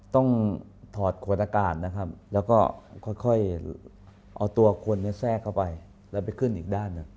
ถอดขวดอากาศนะครับแล้วก็ค่อยเอาตัวคนแทรกเข้าไปแล้วไปขึ้นอีกด้านหนึ่ง